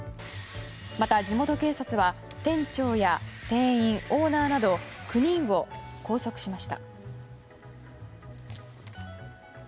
また、地元警察は店長や店員オーナーなど９人を拘束しました。